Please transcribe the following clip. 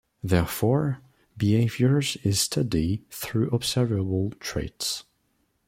Therefore, behavior is studied through observable traits.